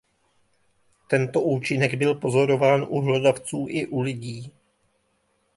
Tento účinek byl pozorován u hlodavců i u lidí.